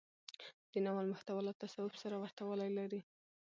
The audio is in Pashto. د ناول محتوا له تصوف سره ورته والی لري.